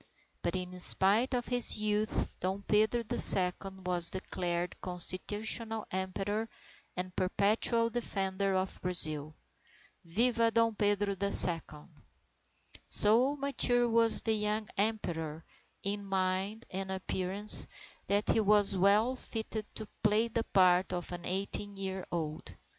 But in spite of his youth, Dom Pedro the Second was declared constitutional Emperor and perpetual defender of Brazil. Viva Dom Pedro the Second! So mature was the young Emperor in mind and appearance, that he was well fitted to play the part of an eighteen year old.